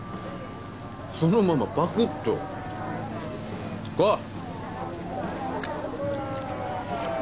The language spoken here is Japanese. そのままパクッとこう！